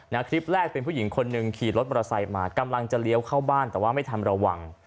คลิปแรกเป็นผู้หญิงคนหนึ่งขี่รถมอเตอร์ไซค์มากำลังจะเลี้ยวเข้าบ้านแต่ว่าไม่ทันระวัง